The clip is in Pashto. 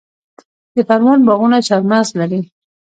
د پروان باغونه چهارمغز لري.